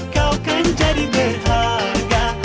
kau kan jadi berharga